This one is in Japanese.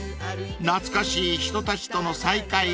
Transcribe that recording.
［懐かしい人たちとの再会あり］